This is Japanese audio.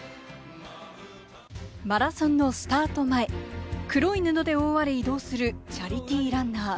マラソンのスタート前、黒い布で覆われ、移動するチャリティーランナー。